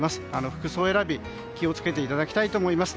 服装選びに気を付けていただきたいと思います。